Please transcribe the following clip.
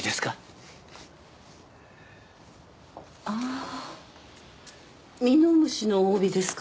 あミノムシの帯ですか？